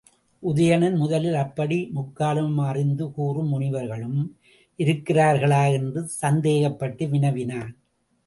உதயணன் முதலில் அப்படி முக்காலமும் அறிந்து கூறும் முனிவர்களும் இருக்கிறார்களா? என்று சந்தேகப்பட்டு வினாவினான்.